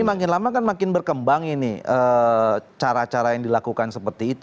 tapi makin lama kan makin berkembang ini cara cara yang dilakukan seperti itu